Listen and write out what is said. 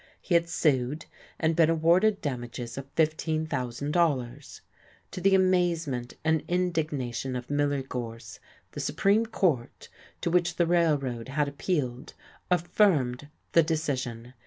He had sued, and been awarded damages of $15,000. To the amazement and indignation of Miller Gorse, the Supreme Court, to which the Railroad had appealed, affirmed the decision.